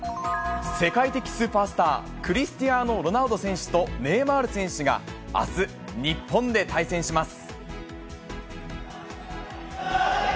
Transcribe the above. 世界的スーパースター、クリスティアーノ・ロナウド選手とネイマール選手があす、日本で対戦します。